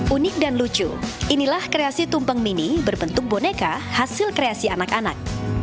unik dan lucu inilah kreasi tumpeng mini berbentuk boneka hasil kreasi anak anak